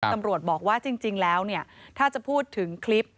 ตำรวจบอกว่าจริงแล้วถ้าจะพูดถึงคลิป